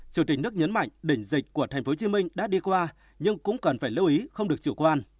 chủ tịch nước nhấn mạnh đỉnh dịch của tp hcm đã đi qua nhưng cũng cần phải lưu ý không được chủ quan